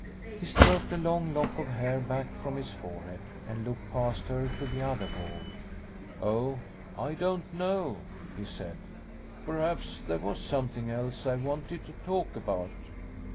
He stroked a long lock of hair back from his forehead, and looked past her to the other wall. "Oh, I don't know/' he said; "perhaps there was something else I wanted to talk about."